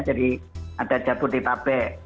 jadi ada jabuti tabe